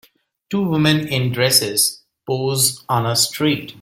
Two women in dresses pose on a street.